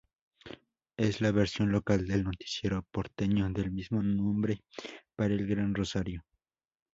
Es la versión local del noticiero porteño del mismo nombre para el Gran Rosario.